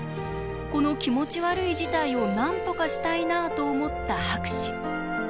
この気持ち悪い事態をなんとかしたいなあと思った博士。